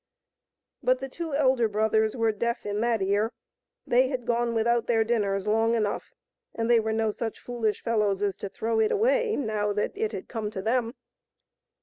But the two elder brothers were deaf in that ear. They had gone without their dinners long enough, and they were no such foolish fellows as to throw it away, now that it had come to them.